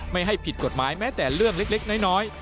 ไม่ให้ผิดกฎหมายแม้แต่เรื่องเล็กน้อย